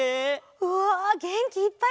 うわげんきいっぱいかけたね！